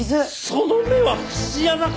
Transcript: その目は節穴か！？